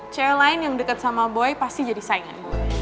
cewek lain yang deket sama boy pasti jadi saingan gue